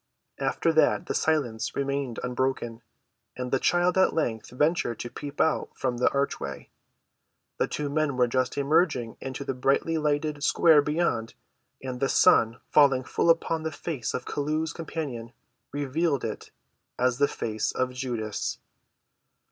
After that the silence remained unbroken, and the child at length ventured to peep out from the archway. The two men were just emerging into the brightly‐ lighted square beyond, and the sun falling full upon the face of Chelluh's companion revealed it as the face of Judas.